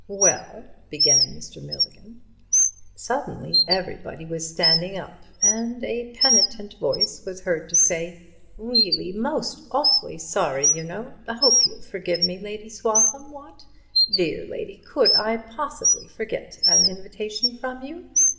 "Well—" began Mr. Milligan. Suddenly everybody was standing up and a penitent voice was heard to say: "Really, most awfully sorry, y'know—hope you'll forgive me, Lady Swaffham, what? Dear lady, could I possibly forget an invitation from you?